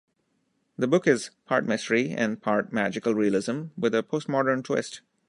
The book is part mystery and part magical realism with a postmodern twist.